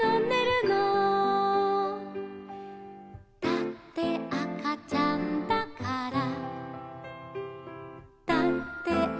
「だってあかちゃんだから」